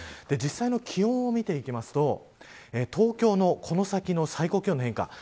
実際の気温を見ていきますと東京の、この先の最高気温の変化